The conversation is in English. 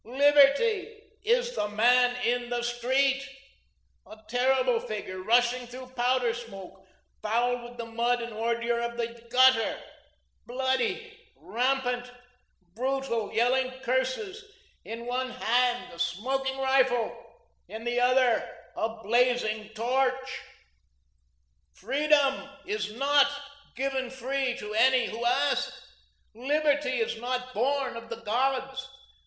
Liberty is the Man In the Street, a terrible figure, rushing through powder smoke, fouled with the mud and ordure of the gutter, bloody, rampant, brutal, yelling curses, in one hand a smoking rifle, in the other, a blazing torch. "Freedom is NOT given free to any who ask; Liberty is not born of the gods.